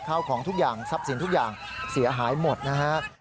ข้าวของทุกอย่างทรัพย์สินทุกอย่างเสียหายหมดนะฮะ